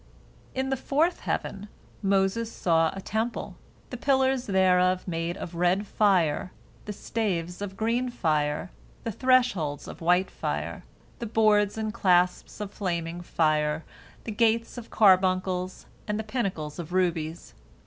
In the fourth heaven Moses saw a Temple, the pillars thereof made of red fire, the staves of green fire, the thresholds of white fire, the boards and clasps of flaming fire, the gates of carbuncles, and the pinnacles of rubies.